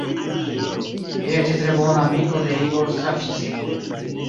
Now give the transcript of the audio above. Li estis tre bona amiko de Igor Stravinski.